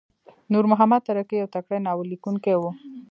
نورمحمد ترهکی یو تکړه ناوللیکونکی وو.